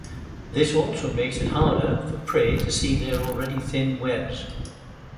This also makes it harder for prey to see their already thin webs.